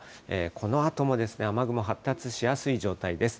このあとも雨雲発達しやすい状態です。